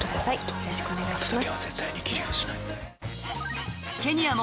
よろしくお願いします。